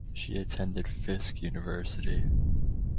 She attended Fisk University.